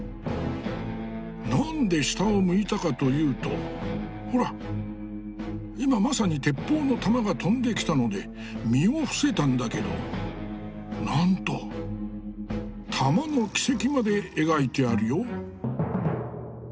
なんで下を向いたかというとほら今まさに鉄砲の弾が飛んできたので身を伏せたんだけどなんと弾の軌跡まで描いてあるよ。